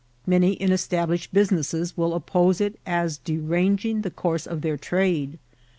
Many in established bu siness will oppose it as deranging the course of their trade.